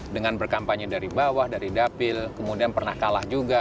dengan berkampanye dari bawah dari dapil kemudian pernah kalah juga